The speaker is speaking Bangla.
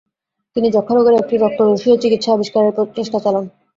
তিনি যক্ষারোগের একটি রক্তরসীয় চিকিৎসা আবিষ্কারের চেষ্টা চালান।